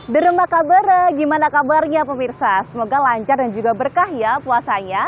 derem apa kabar gimana kabarnya pemirsa semoga lancar dan juga berkah ya puasanya